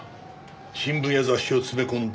新聞や雑誌を詰め込んだ